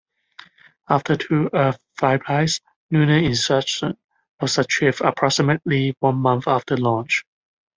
After two Earth flybys, lunar insertion was achieved approximately one month after launch.